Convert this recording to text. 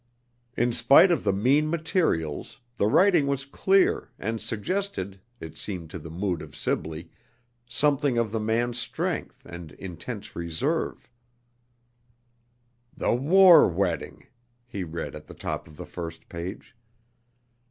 In spite of the mean materials, the writing was clear, and suggested it seemed to the mood of Sibley something of the man's strength and intense reserve. "'The War Wedding,'" he read at the top of the first page.